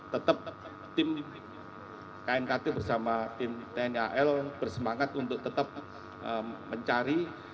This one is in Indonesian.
tetap tim knkt bersama tim tni al bersemangat untuk tetap mencari